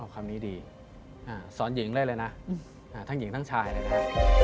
คำนี้ดีสอนหญิงได้เลยนะทั้งหญิงทั้งชายเลยนะ